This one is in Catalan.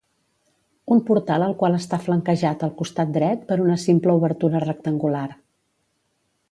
Un portal el qual està flanquejat al costat dret, per una simple obertura rectangular.